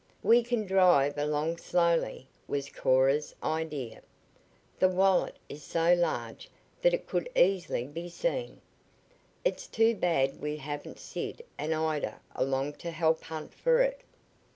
"We can drive along slowly," was Cora's idea. "The wallet is so large that it could easily be seen. It's too bad we haven't Sid and Ida along to help hunt for it.